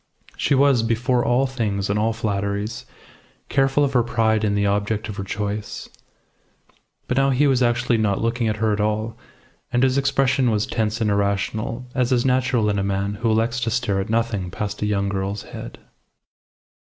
She was, before all things and all flatteries, careful of her pride in the object of her choice. But now he was actually not looking at her at all; and his expression was tense and irrational, as is natural in a man who elects to stare at nothing past a young girl's head.